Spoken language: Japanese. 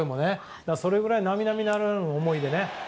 それくらい並々ならぬ思いでね。